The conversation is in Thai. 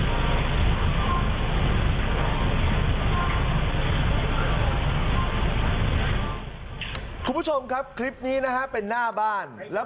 ของ๒๗กุมภาพันธ์ที่ผ่านมาครับ